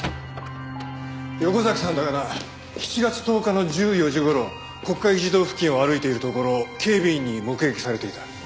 横崎さんだがな７月１０日の１４時頃国会議事堂付近を歩いているところを警備員に目撃されていた。